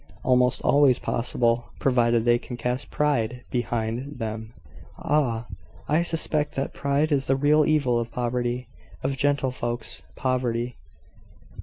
"Almost always possible, provided they can cast pride behind them." "Ah! I suspect that pride is the real evil of poverty of gentlefolks' poverty.